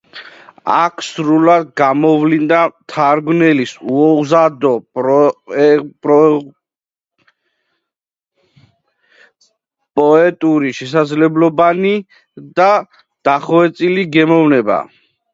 აქ სრულად გამოვლინდა მთარგმნელის უზადო პოეტური შესაძლებლობანი და დახვეწილი გემოვნება.